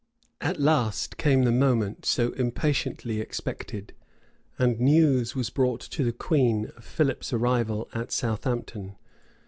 At last came the moment so impatiently expected; and news was brought the queen of Philip's arrival at Southampton.